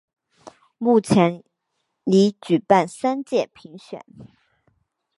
目前已举办三届评选。